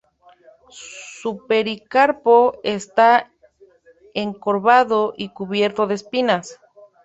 Su pericarpo está encorvado y cubierto de espinas.